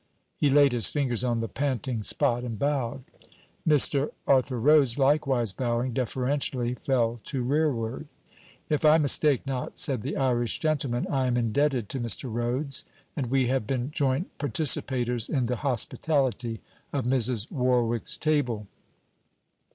He laid his fingers on the panting spot, and bowed. Mr. Arthur Rhodes, likewise bowing, deferentially fell to rearward. 'If I mistake not,' said the Irish gentleman, 'I am indebted to Mr. Rhodes; and we have been joint participators in the hospitality of Mrs. Warwick's table.'